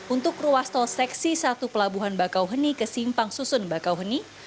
untuk ruas tol seksi satu pelabuhan bakauheni ke simpang susun bakauheni